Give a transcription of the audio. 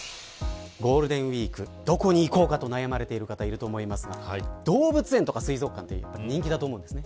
ゴールデンウイーク、どこに行こうかと悩まれてる方いると思いますが動物園とか水族館って人気だと思うんですね。